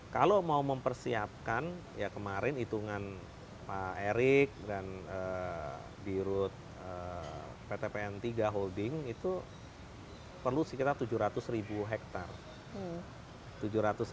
kalau mau mempersiapkan ya kemarin itungan pak erick dan birut ptpn tiga holding itu perlu sekitar tujuh ratus ribu hektare